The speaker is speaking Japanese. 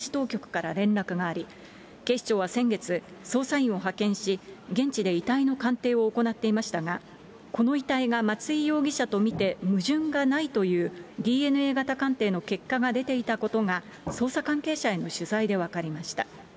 その後、南アフリカで松井容疑者と見られる遺体が見つかったと、現地当局から連絡があり、警視庁は先月、捜査員を派遣し、現地で遺体の鑑定を行っていましたが、この遺体が松井容疑者と見て矛盾がないというＤＮＡ型鑑定の結果が出ていたことが、捜査関係者への取材で分かりました。